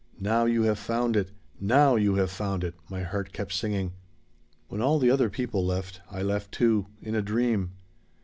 'Now you have found it! Now you have found it!' my heart kept singing. "When all the other people left I left too in a dream.